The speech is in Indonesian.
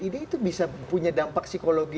ini itu bisa punya dampak psikologi